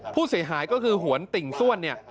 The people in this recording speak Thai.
ผู้เสียหายก็คือหวนติ่งซ่วน